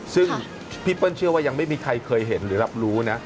ซึ่งพี่เปิ้ลเชื่อว่ายังไม่มีใครเคยเห็นหรือรับรู้นะ